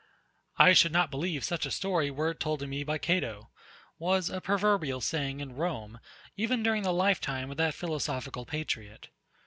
I should not believe such a story were it told me by Cato, was a proverbial saying in Rome, even during the lifetime of that philosophical patriot.